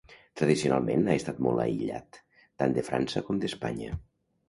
Tradicionalment ha estat molt aïllat tant de França com d'Espanya.